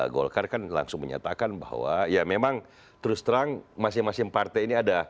golkar kan langsung menyatakan bahwa ya memang terus terang masing masing partai ini ada